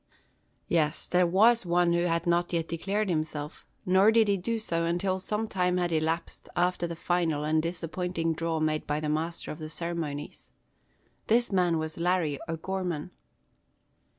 Yes, there was one who had not yet declared himself; nor did he do so until some time had elapsed after the final and disappointing draw made by the master of the ceremonies. This man was Larry O'Gorman.